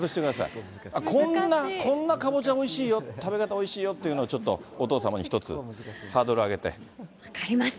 こんな、こんなかぼちゃ、おいしいよ、食べ方おいしいよっていうの、ちょっとお父様に一つ、分かりました。